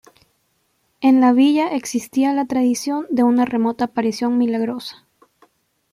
En la villa existía la tradición de una remota aparición milagrosa.